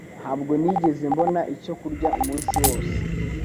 Ntabwo nigeze mbona icyo kurya umunsi wose